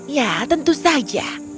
ya tentu saja